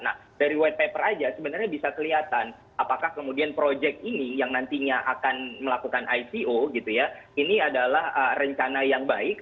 nah dari white paper aja sebenarnya bisa kelihatan apakah kemudian proyek ini yang nantinya akan melakukan ico gitu ya ini adalah rencana yang baik